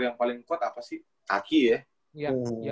yang paling kuat apa sih kaki ya